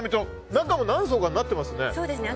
中も何層かになっていますね。